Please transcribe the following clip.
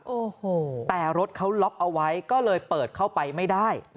โอ้โหแต่รถเขาล็อกเอาไว้ก็เลยเปิดเข้าไปไม่ได้